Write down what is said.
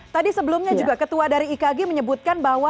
tadi sebelumnya juga ketua dari ikg menyebutkan bahwa